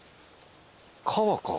川か。